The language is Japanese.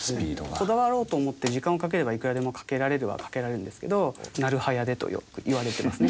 こだわろうと思って時間をかければいくらでもかけられるはかけられるんですけどなるはやでとよく言われてますね。